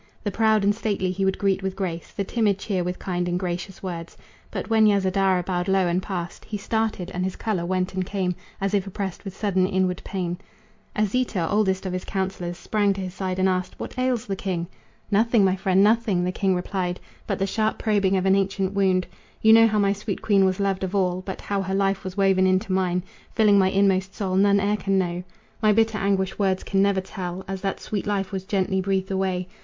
The proud and stately he would greet with grace, The timid cheer with kind and gracious words. But when Yasodhara bowed low and passed, He started, and his color went and came As if oppressed with sudden inward pain. Asita, oldest of his counselors, Sprang to his side and asked: "What ails the king?" "Nothing, my friend, nothing," the king replied, "But the sharp probing of an ancient wound. You know how my sweet queen was loved of all But how her life was woven into mine, Filling my inmost soul, none e'er can know. My bitter anguish words can never tell, As that sweet life was gently breathed away.